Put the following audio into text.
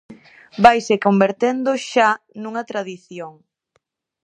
Vaise convertendo xa nunha tradición.